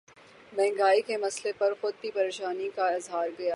مہنگائی کے مسئلے پر خود بھی پریشانی کا اظہار کیا